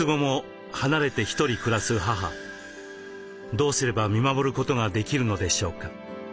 どうすれば見守ることができるのでしょうか。